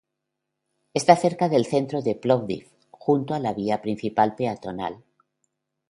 Está cerca del centro de Plovdiv, junto a la principal vía peatonal.